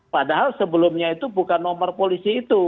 padahal sebelumnya itu bukan nomor polisi itu